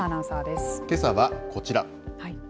けさはこちら。